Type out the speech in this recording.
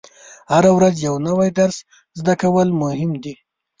هره ورځ یو نوی درس زده کول مهم دي.